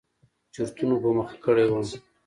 چورتونو په مخه کړى وم.